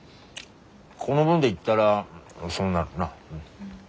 この分でいったらそうなるな。